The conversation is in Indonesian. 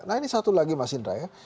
nah ini satu lagi mas indra ya